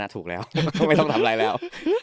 ถูกแล้วไม่ต้องทำอะไรแล้ว